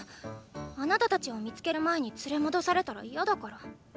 あなた達を見付ける前に連れ戻されたら嫌だから。